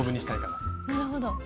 なるほど。